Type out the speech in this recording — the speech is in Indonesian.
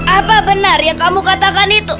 apa benar yang kamu katakan itu